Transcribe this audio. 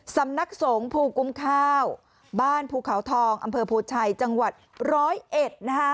สำนักสงฆ์ภูกุ้มข้าวบ้านภูเขาทองอำเภอโพชัยจังหวัดร้อยเอ็ดนะคะ